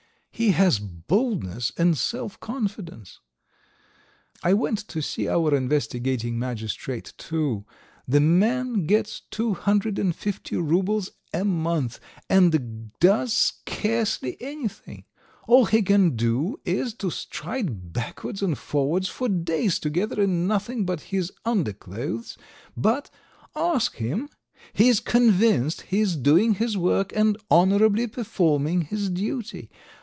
He has boldness and self confidence. I went to see our investigating magistrate too. The man gets two hundred and fifty roubles a month, and does scarcely anything. All he can do is to stride backwards and forwards for days together in nothing but his underclothes, but, ask him, he is convinced he is doing his work and honourably performing his duty.